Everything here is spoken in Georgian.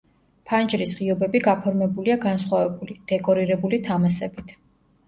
ფანჯრის ღიობები გაფორმებულია განსხვავებული, დეკორირებული თამასებით.